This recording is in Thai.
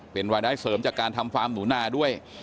เป็นรายได้เสริมจากการทำฟาร์มหนูนาด้วย